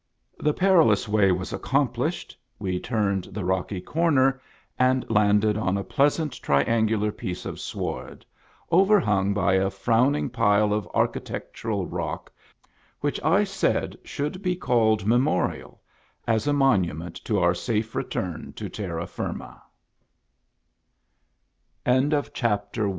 The perilous way was accomplished, we turned the rocky corner, and landed on a pleasant triangular piece of sward, overhung by a frowning pile of archi tectural rock, which I said should be called Memorial, as a monument